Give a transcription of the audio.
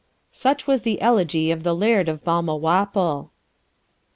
Such was the elegy of the Laird of Balmawhapple.